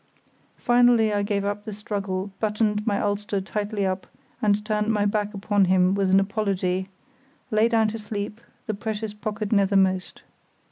Finally, I gave up the struggle, buttoned my ulster tightly up, and turning my back upon him with an apology, lay down to sleep, the precious pocket nethermost.